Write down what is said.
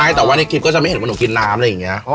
ใช่แต่ว่าในคลิปก็จะไม่เห็นว่าผมกินน้ำเนี้ย